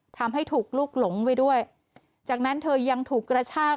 ทำให้ถูกลูกหลงไปด้วยจากนั้นเธอยังถูกกระชาก